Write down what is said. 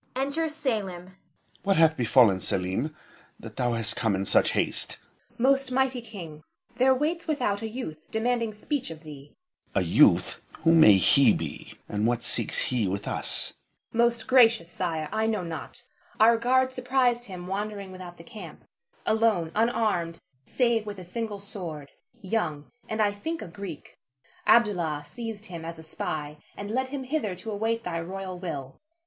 [Enter Selim.] What hath befallen, Selim, that thou comest in such haste? Selim. Most mighty king, there waits without a youth, demanding speech of thee. Moh'd. A youth! Who may he be, and what seeks he with us? Selim. Most gracious sire, I know not. Our guard surprised him wandering without the camp, alone, unarmed, save with a single sword; young, and I think a Greek. Abdallah seized him as a spy, and led him hither to await thy royal will.